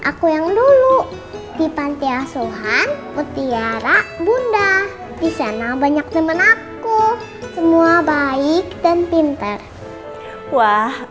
aku yang dulu di panti asuhan mutiara bunda di sana banyak temen aku semua baik dan pinter wah